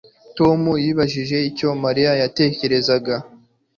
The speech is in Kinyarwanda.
Tom yibajije icyo Mariya yatekerezaga